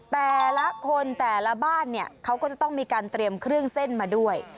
แต่ละคนแต่ละบ้านเนี่ยเขาก็จะต้องมีการเตรียมเครื่องเส้นมาด้วย